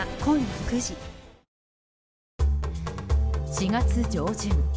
４月上旬。